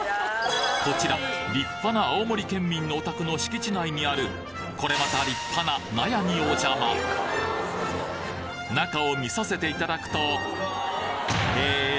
こちら立派な青森県民のお宅の敷地内にあるこれまた中を見させていただくとへぇ。